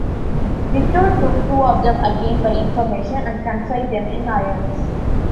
Ditto took two of them again by information and confined them in irons.